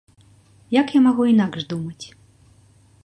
Як я магу інакш думаць?